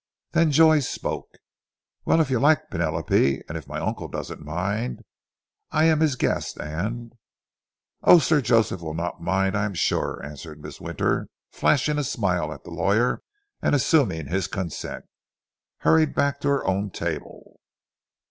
Then Joy spoke. "Well, if you like, Penelope, and if my uncle doesn't mind. I am his guest, and " "Oh, Sir Joseph will not mind, I am sure," answered Mrs. Winter, flashing a smile at the lawyer and assuming his consent, hurried back to her own table.